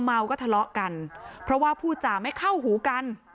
เมาก็ทะเลาะกันเพราะว่าผู้จ่าไม่เข้าหูกัน